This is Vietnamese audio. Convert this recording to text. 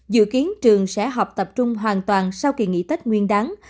dự kiến trường sẽ họp tập trung hoàn toàn sau kỳ nghỉ tết nguyên đáng